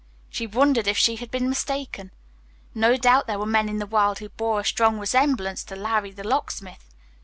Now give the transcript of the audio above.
She wondered if she had been mistaken. No doubt there were men in the world who bore a strong resemblance to "Larry, the Locksmith."